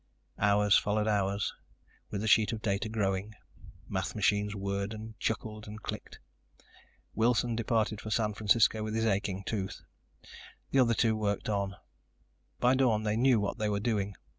Hours followed hours, with the sheet of data growing. Math machines whirred and chuckled and clicked. Wilson departed for San Francisco with his aching tooth. The other two worked on. By dawn they knew what they were doing.